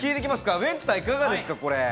ウエンツさん、いかがですか？